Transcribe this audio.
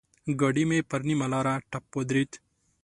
ګاډی مې پر نيمه لاره ټپ ودرېد.